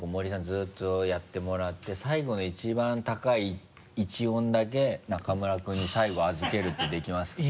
ずっとやってもらって最後の一番高い１音だけ中村君に最後預けるってできますか？